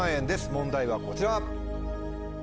問題はこちら。